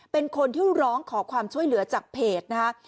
เป็นคนที่ร้องขอความช่วยเหลือจากเพจนะคะ